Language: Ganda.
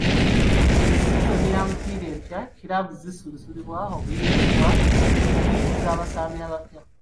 Buli sizoni ya mupiira empya, kiraabu zisuubirwa okuyingiza abasambi abapya.